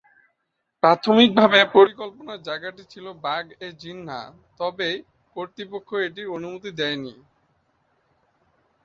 প্রাথমিকভাবে পরিকল্পনার জায়গাটি ছিল বাগ-এ-জিন্নাহ, তবে কর্তৃপক্ষ এটির অনুমতি দেয়নি।